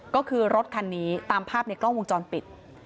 ก็คือรถคันนี้ตามภาพในกล้องวงจรปิด